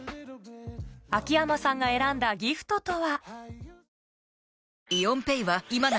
秋山さんが選んだギフトとは？